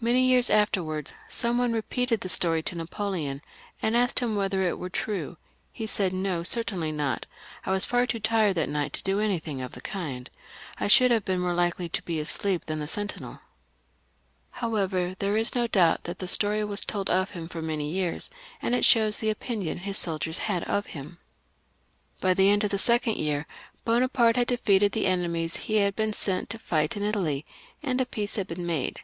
Many years afterwards some one re peated this story to Napoleon, and asked him if it were true. He said, " No, certainly not ; I was far too tired that night to do anything of the kind. I should have been more likely than the sentinel to be asleep." However, there is no doubt that the story was told of him for many years ; and it shows the opinion his soldiers had of him. By the end of the second year Bonaparte had defeated the enemies he had been sent to fight ia Italy, and a peace had been made.